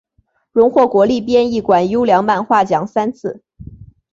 荣获国立编译馆优良漫画奖三次。